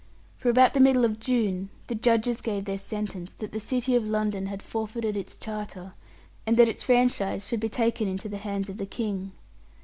For about the middle of June, the judges gave their sentence, that the City of London had forfeited its charter, and that its franchise should be taken into the hands of the King.